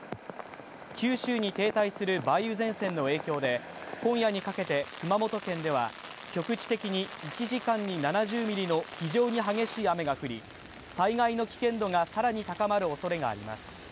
九州に停滞する梅雨前線の影響で今夜にかけて熊本県では、局地的に１時間に７０ミリの非常に激しい雨が降り、災害の危険度が更に高まるおそれがあります。